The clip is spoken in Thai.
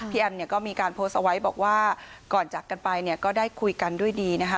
พี่แอมก็มีการโพสต์ไว้บอกว่าก่อนจับกันไปก็ได้คุยกันด้วยดีนะคะ